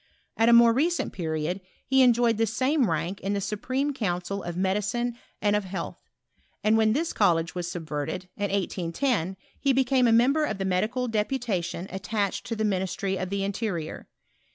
At « more recent period he enjoyed the same rank in the Supreme Council of Medicine and of Health ; and when this college was subverted, in 1810, he became a member of the medical deputation attached to the mi nistry of the interior.